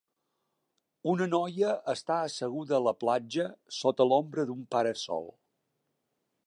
Una noia està asseguda a la platja sota l'ombra d'un para-sol.